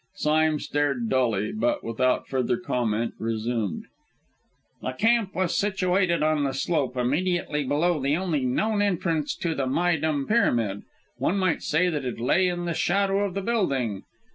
Sime stared dully, but, without further comment, resumed: "The camp was situated on the slope immediately below the only known entrance to the Méydûm Pyramid; one might say that it lay in the shadow of the building.